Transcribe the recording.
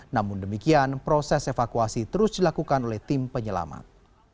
namun demikian proses evakuasi terus dilakukan oleh tim penyelamat